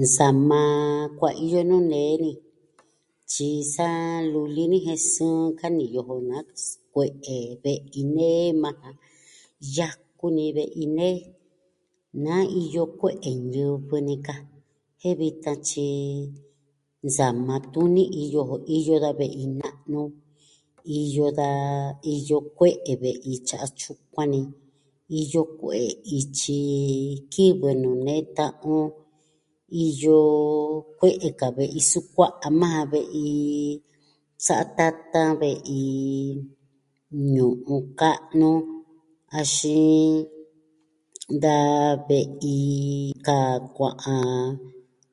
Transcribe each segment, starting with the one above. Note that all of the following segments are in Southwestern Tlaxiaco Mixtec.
Nsama kuaiyo nuu nee ni. Tyi sa luli ni jen sɨɨn kani yoo jo nakusu. Kue'e ve'i nee maa ja, yaku ni ve'i nee. Na iyo kue'e ñivɨ ni ka jen vitan tyi nsama tuni iyo jo... iyo da ve'i na'nu. Iyo da... iyo kue'e ve'i tya tyukuan ni. Iyo kue'e ityi kivɨ nuu nee ta'an on. Iyo kue'e ka ve'i sukua'a maa ja, ve'i satatan, ve'i... nu'u ka'nu axin... da ve'i kaa kua'an.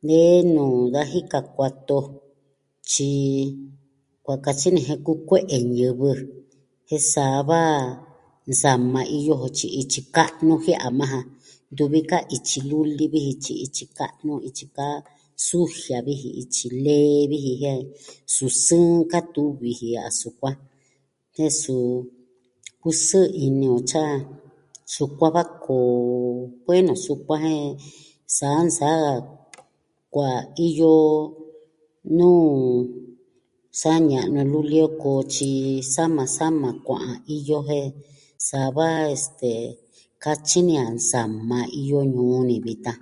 Nee nuu da jika kua too. Tyi, kua katyi ni jen kukue'e ñivɨ. Jan sava, nsama iyo jo tyi ityi ka'nu jia'a maa ja. Ntuvi ka ityi luli vi ji tyi ityi ka'nu ityi ka. Su jiaa vi ji ityi lee vi ji jen. Su sɨɨn katu vi ji a sukua. Tee suu o. Kusɨɨ ini o tyi a tyukua va koo kuee na sukuan jen sa nsaa kuaiyo nuu sa ña'nu luli o koo tyi sama sama kua'an iyo. Jen sava, este... katyi ni a nsama iyo ñuu ni vitan.